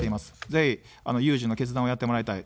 ぜひ有事の決断をやってもらいたい。